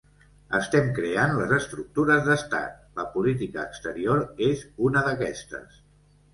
Estem creant les estructures d’estat, la política exterior és una d’aquestes.